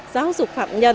giáo dục phạm nhân